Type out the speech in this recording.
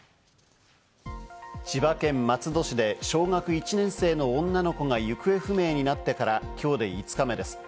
千葉県松戸市で小学１年生の女の子が行方不明になってから今日で５日目です。